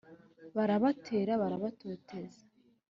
barabatera barabatoteza